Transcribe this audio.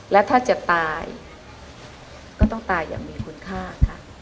และถ้าจะตายก็ต้องตายอย่างมีคุณค่าค่ะ